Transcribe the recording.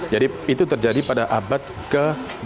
jadi itu terjadi pada abad ke seribu empat ratus dua puluh